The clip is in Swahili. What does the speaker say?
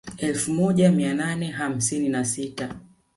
Elfu moja mia nane hamsini na sita